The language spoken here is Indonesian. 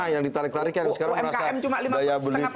yang ditarik tarikan sekarang merasa daya beli turun segala macam orang